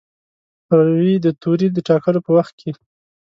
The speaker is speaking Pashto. روي د توري د ټاکلو په وخت کې.